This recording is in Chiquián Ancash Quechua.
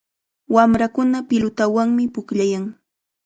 Wamrakuna pilutawanmi pukllayan.